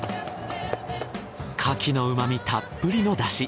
牡蠣のうま味たっぷりの出汁。